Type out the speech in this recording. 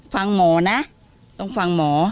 ฟังหมอนะต้องฟังหมอ